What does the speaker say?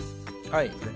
はい。